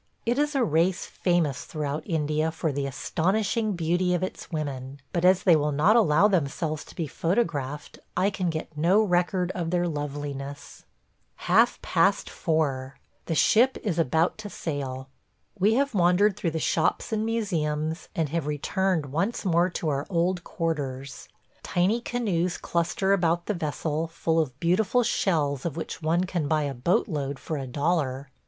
... It is a race famous throughout India for the astonishing beauty of its women; but as they will not allow themselves to be photographed, I can get no record of their loveliness. ... Half past four! The ship is about to sail. We have wandered through the shops and museums, and have returned once more to our old quarters. Tiny canoes cluster about the vessel, full of beautiful shells of which one can buy a boat load for a dollar.